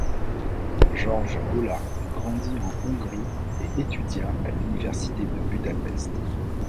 George Olah grandit en Hongrie et étudia à l'université de Budapest.